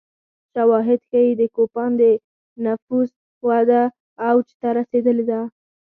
شواهد ښيي د کوپان د نفوس وده اوج ته رسېدلې وه